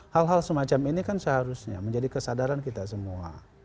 hal hal semacam ini kan seharusnya menjadi kesadaran kita semua